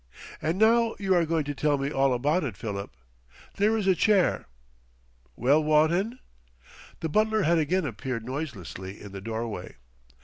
And now you are going to tell me all about it, Philip. There is a chair.... Well, Wotton?" The butler had again appeared noiselessly in the doorway.